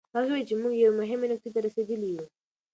هغې وویل چې موږ یوې مهمې نقطې ته رسېدلي یوو.